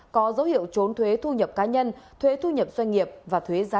có dấu hiệu trốn thuế thu nhập cá nhân thuế thu nhập doanh nghiệp và thuế giá